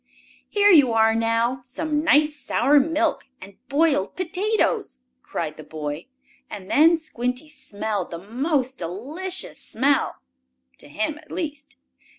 "Here you are now! Some nice sour milk, and boiled potatoes!" cried the boy, and then Squinty smelled the most delicious smell to him at least.